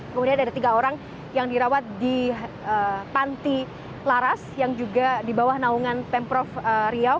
kemudian ada tiga orang yang dirawat di panti laras yang juga di bawah naungan pemprov riau